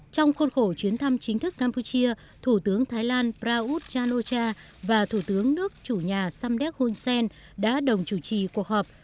trong khuôn khổ chuyến thăm chính thức campuchia thủ tướng thái lan praut chan o cha và thủ tướng nước chủ nhà samdek hun sen đã đồng chủ trì cuộc họp